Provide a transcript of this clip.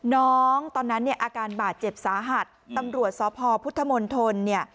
น้องตอนนั้นเนี้ยอาการบาดเจ็บสาหัสตำรวจศพพุทธมนต์ทนเนี้ย